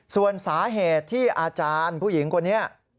ส่วนสาเหตุที่อาจารย์ผู้หญิงคนนี้